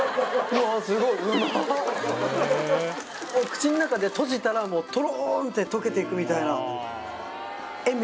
口の中で閉じたらもうとろんって溶けていくみたいなえっ